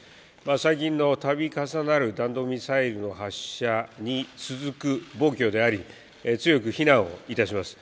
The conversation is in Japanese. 最近のたび重なる弾道ミサイルの発射に続く暴挙であり、強く非難をいたします。